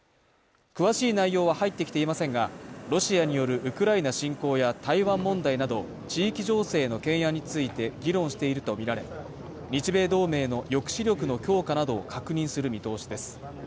詳しい内容は入ってきていませんが、ロシアによるウクライナ侵攻や台湾問題など地域情勢の懸案について議論しているとみられ、日米同盟の抑止力の強化などを確認する見通しです。